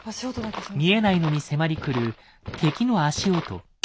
見えないのに迫り来る敵の足音。